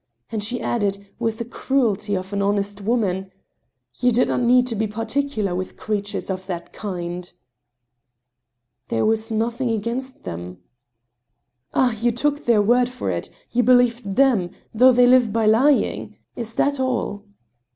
And she added, with the cruelty of an honest woman :" You did not need to be particular with creatures of that kind !"" There was nothing against them." "Ah! you took their word for it — you believed them — ^though they live by lying. Is that all